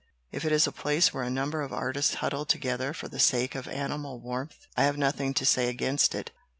"If it is a place where a number of artists huddle together for the sake of animal warmth, I have nothing to say against it.